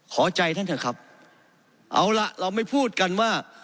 ขอใจท่านเถอะครับเอาล่ะเราไม่พูดกันว่า